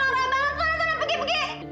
lu ada kemana pegi pegi